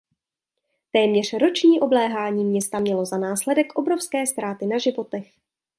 Téměř roční obléhání města mělo za následek obrovské ztráty na životech.